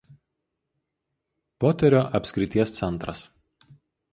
Poterio apskrities centras.